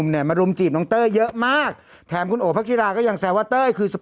เพราะว่า๑๐๐๐๐กันติดกว่า๓วันแล้ว